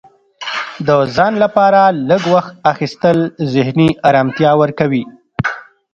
د ځان لپاره لږ وخت اخیستل ذهني ارامتیا ورکوي.